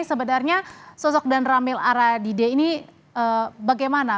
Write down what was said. sebenarnya sosok dan ramil aradide ini bagaimana